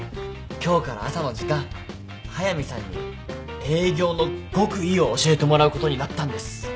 今日から朝の時間速見さんに営業の極意を教えてもらうことになったんです。